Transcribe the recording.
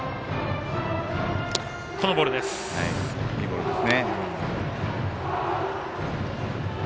いいボールですね。